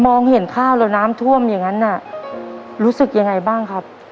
มองเห็นข้าวแล้วน้ำท่วมอย่างนั้นน่ะรู้สึกยังไงบ้างครับ